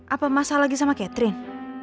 apa masalah lagi sama catherine